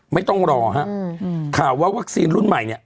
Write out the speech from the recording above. ไม่ต้องรอฮะข่าวว่าวัคซีนรุ่นใหม่เนี่ย